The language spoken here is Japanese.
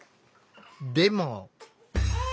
でも。